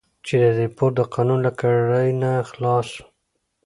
چې د دیپورت د قانون له کړۍ نه خلاص وو.